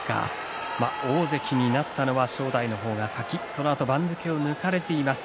大関になったのは正代の方が先、そのあと番付を抜かれています。